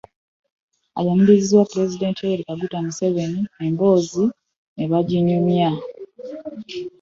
Ayaniriziddwa pulezidenti Yoweri Kaguta Museveni emboozi naye ne baginyumya